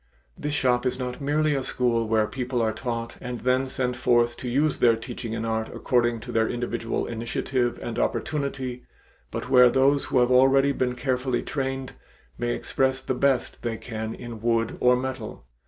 This shop is not merely a school where people are taught and then sent forth to use their teaching in art according to their individual initiative and opportunity, but where those who have already been carefully trained, may express the best they can in wood or metal.